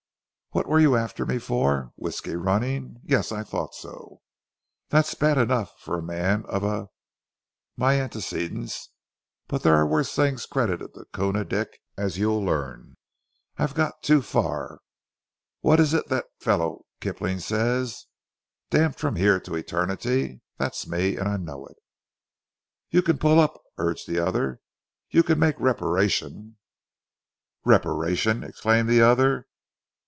What were you after me for? Whisky running? Yes! I thought so. That's bad enough for a man of a my antecedents. But there are worse things credited to Koona Dick, as you'll learn. I've got too far. What is it that fellow Kipling says? 'Damned from here to Eternity'? That's me, and I know it." "You can pull up!" urged the other. "You can make reparation." "Reparation!" exclaimed the other.